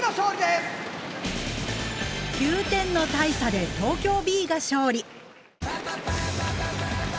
９点の大差で東京Ｂが勝利。